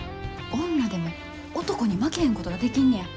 女でも男に負けへんことができんねや。